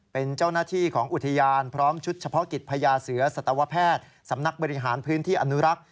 เป็นเจ้าหน้าที่ของอุทยานพร้อมชุดเฉพาะกิจพญาเสือสัตวแพทย์สำนักบริหารพื้นที่อนุรักษ์